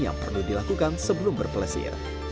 yang perlu dilakukan sebelum berpelesir